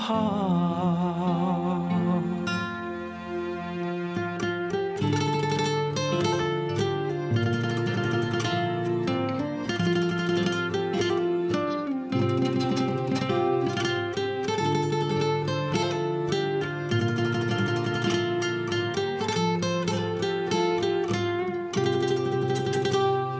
อเจมส์